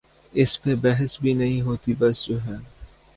اس پہ بحث بھی نہیں ہوتی بس جو ہے۔